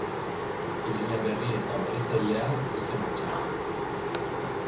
Ideia berri eta berritzailea dute martxan.